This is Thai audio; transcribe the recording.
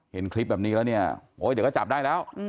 เห็นคลิปแบบนี้แล้วเดี๋ยวก็จับได้แล้ว